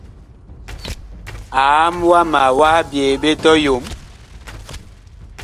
Aam wama wah byee ɓe tɔyom.